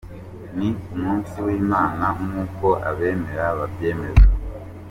Ni k’umunsi w’imana nk’uko abemera babyemeza